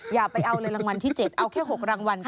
อย่าไปเอาเลยรางวัลที่๗เอาแค่๖รางวัลค่ะ